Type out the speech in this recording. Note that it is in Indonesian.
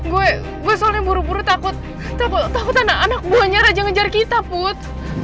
gue gue soalnya buru buru takut anak anak buahnya raja ngejar kita put